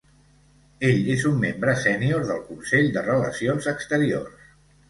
Ell és un membre sènior del Consell de Relacions Exteriors.